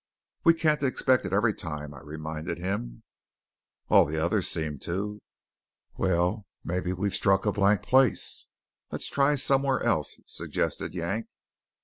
"We can't expect it every time," I reminded him. "All the others seem to." "Well, maybe we've struck a blank place; let's try somewhere else," suggested Yank.